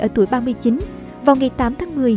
ở tuổi ba mươi chín vào ngày tám tháng một mươi